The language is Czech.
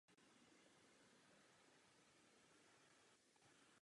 Jak dlouho?